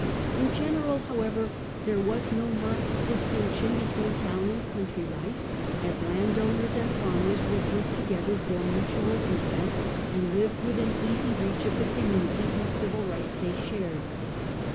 In general, however, there was no marked distinction between town and country life, as landowners and farmers were grouped together for mutual defence, and lived within easy reach of the community whose civil rights they shared.